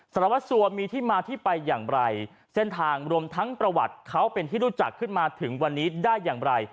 สารวัสสัวมีที่มาที่ไปอย่างไรเส้นทางรวมทั้งประวัติเขาเป็นที่รู้จักขึ้นมาถึงวันนี้ได้อย่างไร